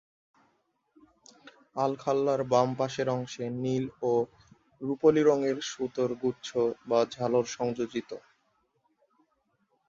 আলখাল্লার বাম পাশের অংশে নীল ও রূপালি রঙের সুতার গুচ্ছ বা ঝালর সংযোজিত।